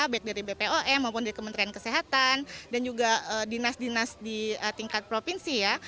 baik dari bpom maupun dari kementerian kesehatan dan juga dinas dinas di tingkat provinsi ya